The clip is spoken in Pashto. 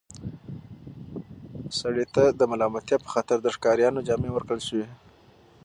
سړي ته د ملامتیا په خاطر د ښکاریانو جامې ورکړل شوې.